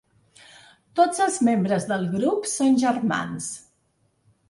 Tots els membres del grup són germans.